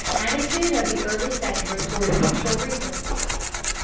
ATTITUDE OF THE EARLY SETTLER TOWARD NATURAL RESOURCES.